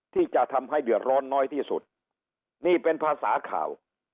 ที่จะทำให้เดือดร้อนน้อยที่สุดนี่เป็นภาษาข่าว